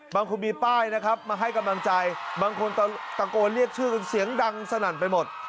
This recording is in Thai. บางคนมีป้ายนะครับมาให้กำลังใจบางคนตะโกนเรียกชื่อกันเสียงดังสนั่นไปหมด